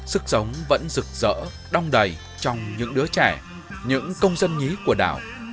sức sống vẫn rực rỡ đong đầy trong những đứa trẻ những công dân nhí của đảo